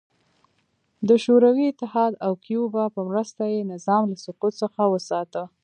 د شوروي اتحاد او کیوبا په مرسته یې نظام له سقوط څخه وساته.